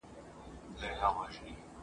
د ژوندون وروستی غزل مي پر اوربل درته لیکمه ..